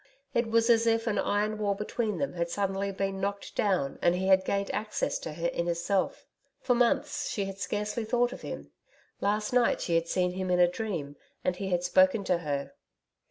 It was as if an iron wall between them had suddenly been knocked down and he had gained access to her inner self. For months she had scarcely thought of him. Last night she had seen him in a dream, and he had spoken to her.